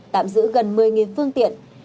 tạm giữ gần một mươi phương tiện